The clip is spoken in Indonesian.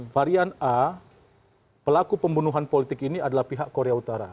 varian a pelaku pembunuhan politik ini adalah pihak korea utara